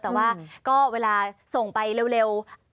แต่ว่าก็เวลาส่งไปเร็ว